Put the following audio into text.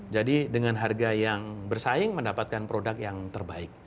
jadi dengan harga yang bersaing mendapatkan produk yang terbaik